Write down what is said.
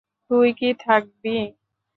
তুই কি থাকবি?